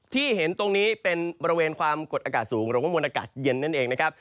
เห็นตรงนี้เป็นบริเวณความกดอากาศสูงหรือว่ามวลอากาศเย็นนั่นเองนะครับ